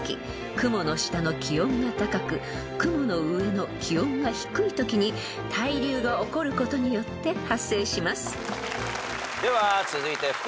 雲の下の気温が高く雲の上の気温が低いときに対流が起こることによって発生します］では続いてふくらＰ。